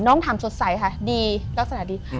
ถามสดใสค่ะดีลักษณะดี